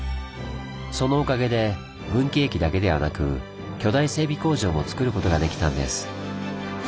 そのおかげで分岐駅だけではなく巨大整備工場もつくることができたんです。